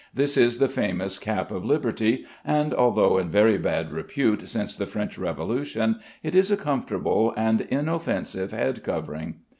This is the famous cap of liberty, and although in very bad repute since the French Revolution, it is a comfortable and inoffensive head covering.